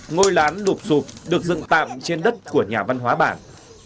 ngôi lán đục sụp được dựng tạm trên đất của nhà văn hóa bản